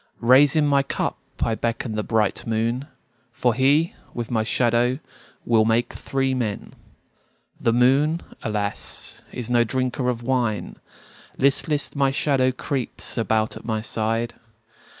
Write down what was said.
Raising my cup I beckon the bright moon, For he, with my shadow, will make three men. The moon, alas, is no drinker of wine; Listless, my shadow creeps about at my side.